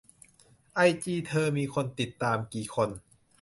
ไอจีเธอมีคนติดตามกี่คน